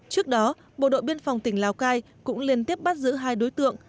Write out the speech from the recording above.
trước đó bộ đội biên phòng tỉnh lào cai cũng liên tiếp bắt giữ hai đối tượng